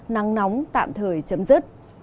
nắng nóng tạm thời chấm dứt